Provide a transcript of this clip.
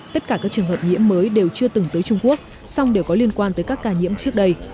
tất cả các trường hợp nhiễm mới đều chưa từng tới trung quốc song đều có liên quan tới các ca nhiễm trước đây